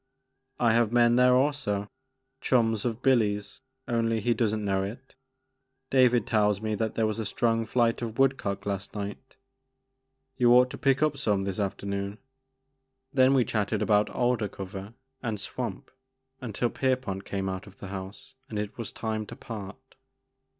" I have men there also, — chums of Billy's only he does n't know it. David tells me that there was a strong flight of woodcock last night. You ought to pick up some this afternoon." Then we chatted about alder cover and swamp until Pierpont came out of the house and it was time to part.